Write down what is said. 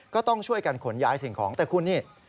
ก็ต้องช่วยกันขนย้ายสิ่งของแต่คุณนี่